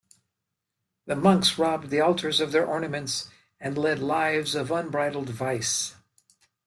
The monks robbed the altars of their ornaments, and led lives of unbridled vice.